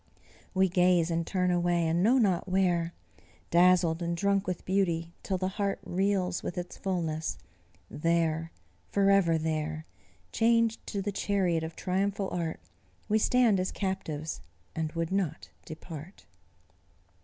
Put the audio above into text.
We gaze and turn away, and know not where, Dazzled and drunk with beauty, till the heart Reels with its fulness; there forever there Chained to the chariot of triumphal Art, We stand as captives, and would not depart."